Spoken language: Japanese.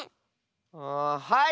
あはい！